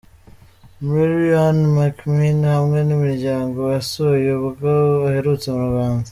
Mary Ann McMinn hamwe n'imiryango yasuye ubwo aherutse mu Rwanda.